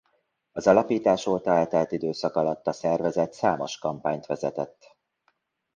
Az alapítás óta eltelt időszak alatt a szervezet számos kampányt vezetett.